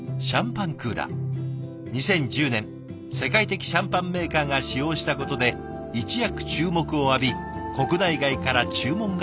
２０１０年世界的シャンパンメーカーが使用したことで一躍注目を浴び国内外から注文が殺到。